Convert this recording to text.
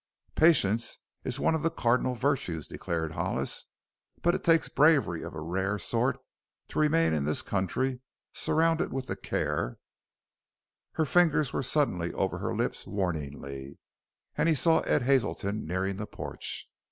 "Patience is one of the cardinal virtues," declared Hollis, "but it takes bravery of a rare sort to remain in this country, surrounded with the care " Her fingers were suddenly over her lips warningly, and he saw Ed Hazelton nearing the porch.